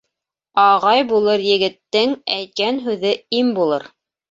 Ағай булыр егеттең, әйткән һүҙе им булыр